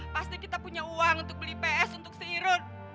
pasti kita punya uang untuk beli invis brewst untuk si herut